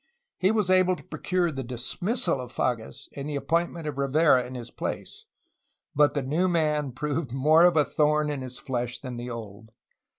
He was able to procure the dismissal of Fages and the appoint ment of Rivera in his place. But the new man proved more of a thorn in his flesh than the old.